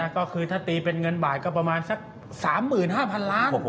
ก็คือถ้าตีเป็นเงินบาทก็ประมาณสัก๓๕๐๐๐ล้าน